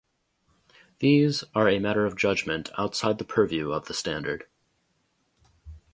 These are a matter of judgment outside the purview of the standard.